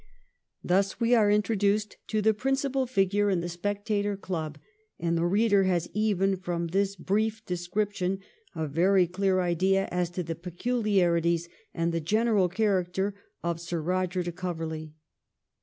Thus we are introduced to the principal figure in ' The Spectator ' Club, and the reader has even from t)iis brief description a very clear idea as to the 186 THE REIGN OF QUEEN ANNE. ch. xxix. peculiarities and the general character of Sir Eoger de Coverley.